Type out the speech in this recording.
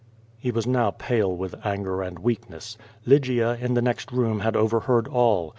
He was now pale with anger and weakness. Lygia in the next room had overheard all.